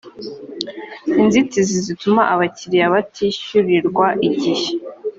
inzitizi zituma abakiliya batishyurirwa igihe